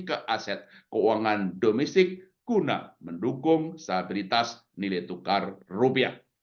ke aset keuangan domestik guna mendukung stabilitas nilai tukar rupiah